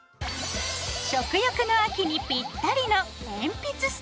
食欲の秋にぴったりの鉛筆スタンド。